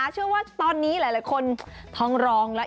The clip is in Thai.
เชื่อว่าตอนนี้หลายคนท้องร้องแล้ว